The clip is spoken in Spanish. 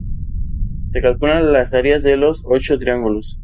Se calculan las áreas de los ocho triángulos.